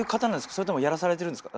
それともやらされてるんですか？